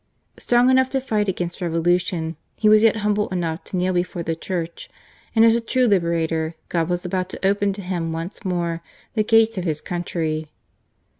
Strong enough to fight against revolution, he was yet humble enough to kneel before the Church ; and as a true liberator, God was about to open to him once more the gates of his country.